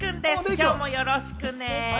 今日もよろしくね。